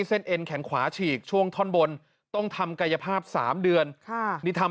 เอ็นแขนขวาฉีกช่วงท่อนบนต้องทำกายภาพ๓เดือนนี่ทำ